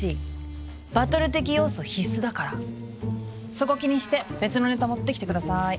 そこ気にして別のネタ持ってきてください。